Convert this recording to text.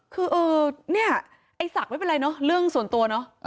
คือเออเนี่ยไอ้ศักดิ์ไม่เป็นไรเนอะเรื่องส่วนตัวเนอะ